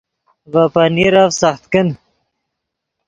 ڤے پنیرف سخت کن